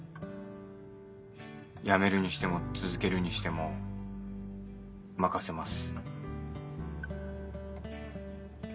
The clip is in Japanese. やめるにしても続けるにしても任せます。